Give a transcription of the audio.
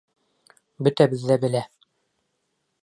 Бөтәбеҙ ҙә белә...